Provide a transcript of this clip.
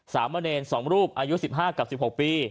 สามเมอร์เนรนด์๒รูปอายุ๑๕กับ๑๖ปี